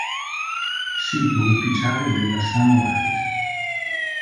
Sito ufficiale della Sunrise